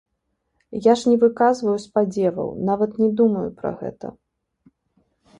Я ж не выказваю спадзеваў, нават не думаю пра гэта.